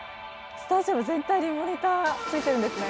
スタジアム全体にモニターがついているんですね。